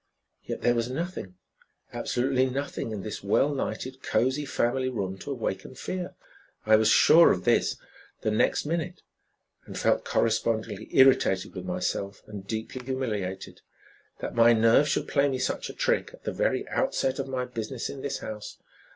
Yet there was nothing, absolutely nothing in this well lighted, cozy family room to awaken fear. I was sure of this the next minute, and felt correspondingly irritated with myself and deeply humiliated. That my nerves should play me such a trick at the very outset of my business in this house!